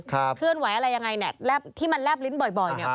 เคลื่อนไหวอะไรยังไงเนี่ยที่มันแลบลิ้นบ่อยบ่อยเนี่ย